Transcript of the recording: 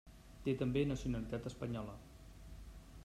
Té també nacionalitat espanyola.